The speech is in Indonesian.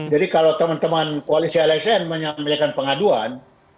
jadi kalau teman teman kualisi lsn menyampaikan pengaduan